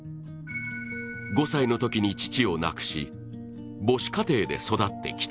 ５歳のときに父を亡くし母子家庭で育ってきた。